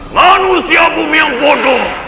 manusia bumi yang bodoh